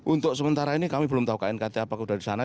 untuk sementara ini kami belum tahu knkt apakah sudah di sana